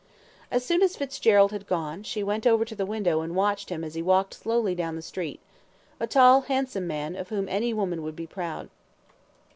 As soon as Fitzgerald had gone, she went over to the window and watched him as he walked slowly down the street a tall, handsome man, of whom any woman would be proud.